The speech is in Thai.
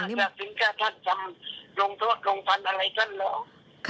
นั้นไม่หนาจากสิ้นค้าท่านจำลงทศลงพันธ์อะไรฉันหรอ